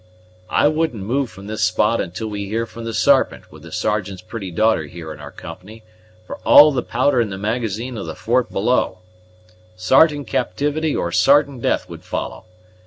"I wouldn't move from this spot until we hear from the Sarpent with the Sergeant's pretty daughter here in our company, for all the powder in the magazine of the fort below. Sartain captivity or sartain death would follow.